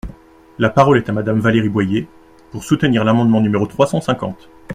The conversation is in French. La parole est à Madame Valérie Boyer, pour soutenir l’amendement numéro trois cent cinquante.